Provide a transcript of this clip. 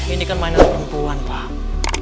ini kan mainan perempuan pak